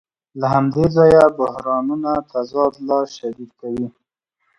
له همدې ځایه بحرانونه تضاد لا شدید کوي